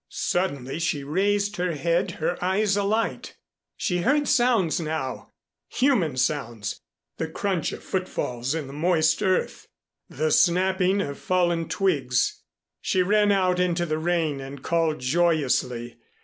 Suddenly she raised her head, her eyes alight. She heard sounds now, human sounds, the crunch of footfalls in the moist earth, the snapping of fallen twigs. She ran out into the rain and called joyously.